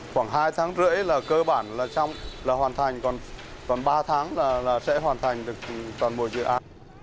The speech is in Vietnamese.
khoảng hai tháng rưỡi là cơ bản là xong là hoàn thành còn ba tháng là sẽ hoàn thành được toàn bộ dự án